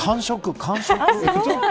完食。